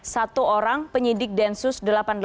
satu orang penyidik densus delapan puluh delapan